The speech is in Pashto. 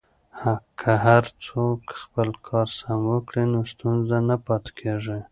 که هر څوک خپل کار سم وکړي نو ستونزه نه پاتې کیږي.